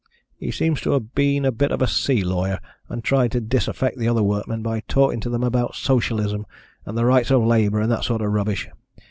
He seems to have been a bit of a sea lawyer, and tried to disaffect the other workmen by talking to them about socialism, and the rights of labour, and that sort of rubbish.